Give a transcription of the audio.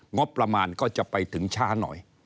งบประมาณก็จะไปถึงช้าหน่อย